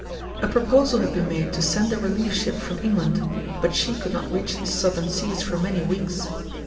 A proposal had been made to send a relief ship from England, but she could not reach the southern seas for many weeks.